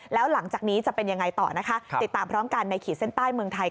แล้วหลังจากนี้จะเป็นยังไงต่อนะคะติดตามพร้อมกันในขีดเส้นใต้เมืองไทย